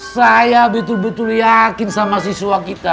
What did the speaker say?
saya betul betul yakin sama siswa kita